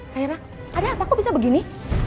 sairah ada apa kok bisa begini